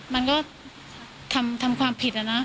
มันก็ทำความผิดอะนะ